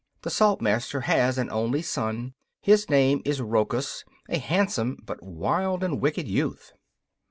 The Saltmaster has an only son. His name is Rochus, a handsome but wild and wicked youth.